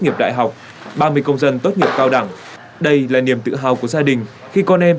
nghiệp đại học ba mươi công dân tốt nghiệp cao đẳng đây là niềm tự hào của gia đình khi con em